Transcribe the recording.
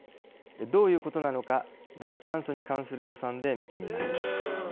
どういうことなのか脱炭素に関する予算で見てみます。